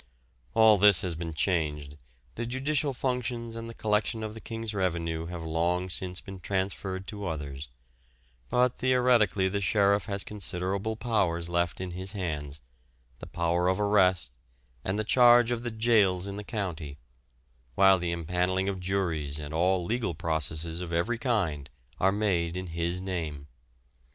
All this has been changed, the judicial functions and the collection of the King's revenue have long since been transferred to others; but theoretically the sheriff has considerable powers left in his hands the power of arrest and the charge of the jails in the county, while the empanelling of juries and all legal processes of every kind are made in his name.